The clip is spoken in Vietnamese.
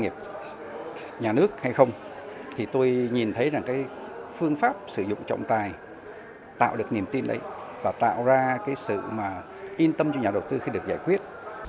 phương pháp sử dụng trọng tay tạo được niềm tin và tạo ra sự yên tâm cho nhà đầu tư khi được giải quyết